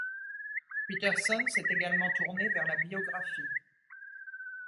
Peterson s'est également tourné vers la biographie.